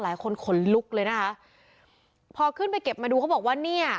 หลายคนขนลุกเลยนะคะพอขึ้นไปเก็บมาดูเขาบอกว่าเนี่ย